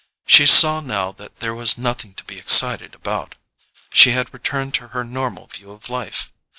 She saw now that there was nothing to be excited about—she had returned to her normal view of life.